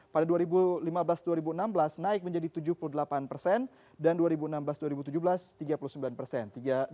pada dua ribu lima belas dua ribu enam belas naik menjadi tujuh puluh delapan persen dan dua ribu enam belas dua ribu tujuh belas tiga puluh sembilan persen